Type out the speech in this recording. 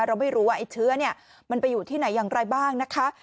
เราไม่รู้ว่าไอ้เชื้อมันไปอยู่ที่ไหนอย่างไรบ้างนะคะ